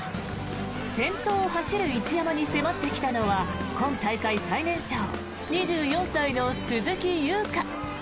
先頭を走る一山に迫ってきたのは今大会最年少２４歳の鈴木優花。